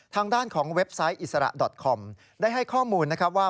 ทางด้านของเว็บไซต์อิสระดอตคอมได้ให้ข้อมูลนะครับว่า